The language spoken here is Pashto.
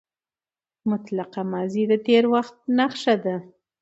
مطلقه ماضي د تېر وخت نخښه ده.